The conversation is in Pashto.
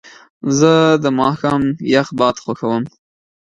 زه د ماښام یخ باد خوښوم.